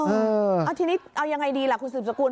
เอาทีนี้เอายังไงดีล่ะคุณสืบสกุล